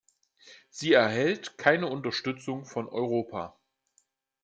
Sie erhält keine Unterstützung von Europa.